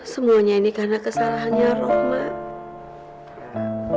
semuanya ini karena kesalahannya rok mbah